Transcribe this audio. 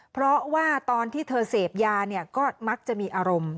เพราะว่าตอนที่เธอเสพยาเนี่ยก็มักจะมีอารมณ์